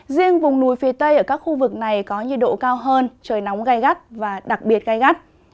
riêng vùng núi phía tây ở các khu vực này có nhiệt độ cao hơn trời nóng gai gắt và đặc biệt gai gắt